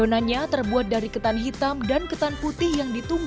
adonannya terbuat dari ketan hitam dan ketan putih yang ditunggu